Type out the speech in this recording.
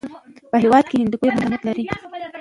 په هېواد کې هندوکش ډېر اهمیت لري.